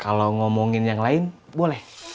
kalau ngomongin yang lain boleh